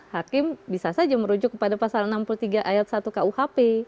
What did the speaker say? hakim bisa saja merujuk kepada pasal enam puluh tiga ayat satu kuhp